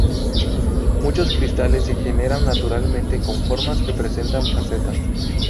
Muchos cristales se generan naturalmente con formas que presentan facetas.